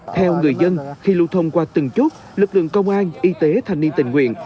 theo người dân khi lưu thông qua từng chốt lực lượng công an y tế thanh niên tình nguyện